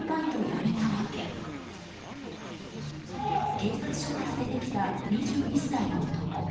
警察署から出てきた２１歳の男。